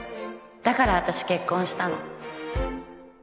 だから私結婚したの